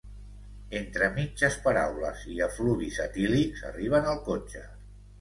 Entre mitges paraules i efluvis etílics arriben al cotxe.